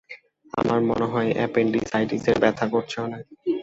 আমার মনে হয় অ্যাপেনডিসাইটিসের ব্যথা করছে অনেক।